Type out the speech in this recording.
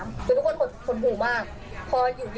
ว่ามันเป็นคนหูมาก